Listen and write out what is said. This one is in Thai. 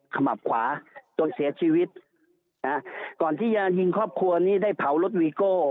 ขมับขวาจนเสียชีวิตนะฮะก่อนที่จะยิงครอบครัวนี้ได้เผารถวีโก้